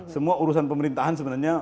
semua urusan pemerintahan sebenarnya